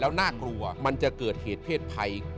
แล้วน่ากลัวมันจะเกิดเหตุเพศภัย